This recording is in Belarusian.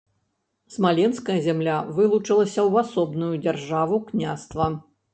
Смаленская зямля вылучылася ў асобную дзяржаву-княства.